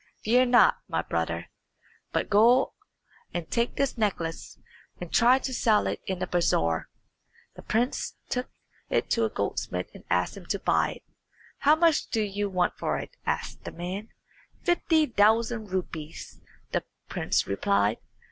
"Fear not, my brother, but go and take this necklace, and try to sell it in the bazaar." The prince took it to a goldsmith and asked him to buy it. "How much do you want for it?" asked the man. "Fifty thousand rupees," the prince replied.